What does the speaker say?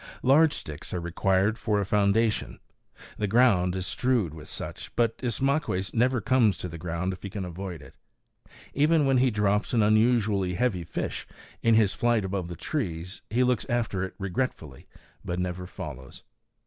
Large sticks are required for a foundation. The ground is strewed with such; but Ismaques never comes down to the ground if he can avoid it. Even when he drops an unusually heavy fish, in his flight above the trees, he looks after it regretfully, but never follows.